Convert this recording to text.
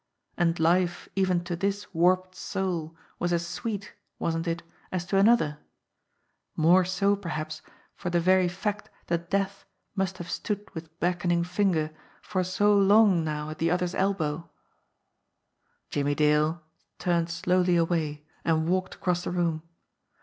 And life even to this warped soul was as sweet, wasn't it, as to another ? more so perhaps for the very fact that death must have stood with beckoning finger for so long now at the other's elbow! THE GRAY SEAL 31 Jimmie Dale turned slowly away and walked across the room.